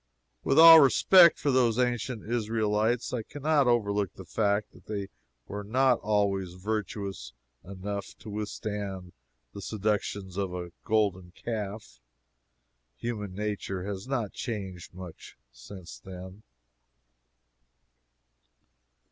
With all respect for those ancient Israelites, I can not overlook the fact that they were not always virtuous enough to withstand the seductions of a golden calf. Human nature has not changed much since then.